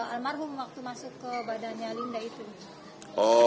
almarhum waktu masuk ke badannya linda itu